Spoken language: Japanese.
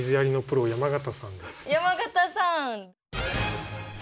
山方さん。